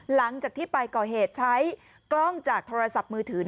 หลังจากที่ไปก่อเหตุใช้กล้องจากโทรศัพท์มือถือ